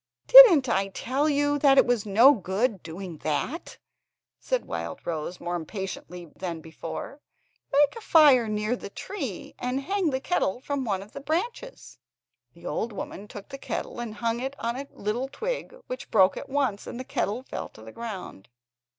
"Didn't I tell you that it was no good doing that," said Wildrose, more impatiently than before. "Make a fire near a tree and hang the kettle from one of the branches." The old woman took the kettle and hung it on a little twig, which broke at once, and the kettle fell to the ground.